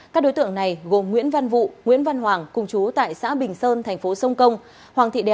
các đối tượng này gồm nguyễn văn vụ nguyễn văn hoàng cùng chú tại xã bình sơn tp sông công